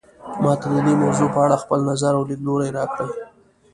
ما ته د دې موضوع په اړه خپل نظر او لیدلوری راکړئ